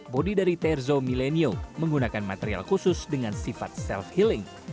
bodi dari terzo milenio menggunakan material khusus dengan sifat self healing